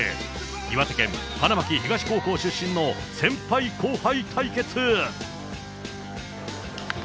岩手県花巻東高校出身の先輩後輩対決。